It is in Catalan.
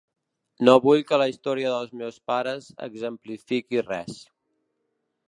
No vull que la història dels meus pares exemplifiqui res.